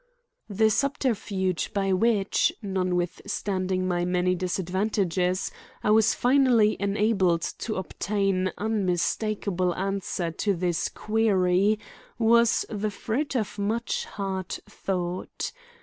The subterfuge by which, notwithstanding my many disadvantages, I was finally enabled to obtain unmistakable answer to this query was the fruit of much hard thought.